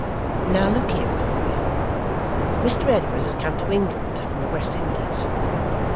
'Now look here, father. Mr Edward has come to England from the West Indies.